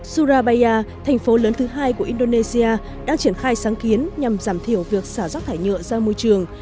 surabaya thành phố lớn thứ hai của indonesia đang triển khai sáng kiến nhằm giảm thiểu việc xả rác thải nhựa ra môi trường